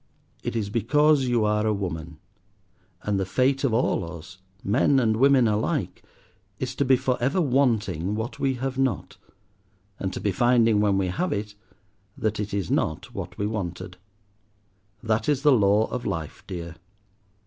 It is because you are a woman, and the fate of all us, men and women alike, is to be for ever wanting what we have not, and to be finding, when we have it, that it is not what we wanted. That is the law of life, dear.